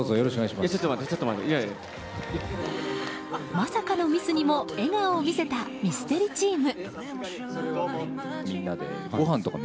まさかのミスにも笑顔を見せたミステリチーム。